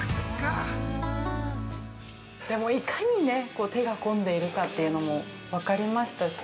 ◆いかに手が込んでいるかというのも分かりましたし。